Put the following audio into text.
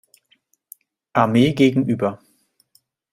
Armee gegenüber.